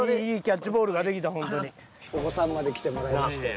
お子さんまで来てもらいまして。